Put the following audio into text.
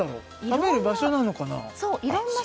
食べる場所なのかな？